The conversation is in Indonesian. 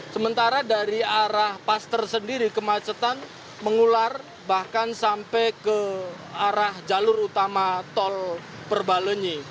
sementara dari arah paster sendiri kemacetan mengular bahkan sampai ke arah jalur utama tol perbalenyi